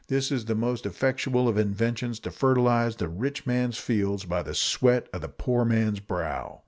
This is the most effectual of inventions to fertilize the rich man's fields by the sweat of the poor man's brow.